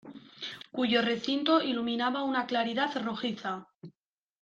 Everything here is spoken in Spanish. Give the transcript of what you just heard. Cuyo recinto iluminaba una claridad rojiza.